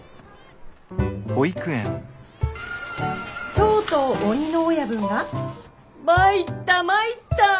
「とうとう鬼の親分が『まいったぁまいったぁ。